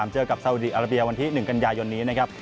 เจอกับสาวดีอาราเบียวันที่๑กันยายนนี้นะครับ